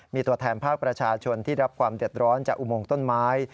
มีตัวแทนภาคประชาชนที่รับความเดือดร้อนจากอุโมงต้นไม้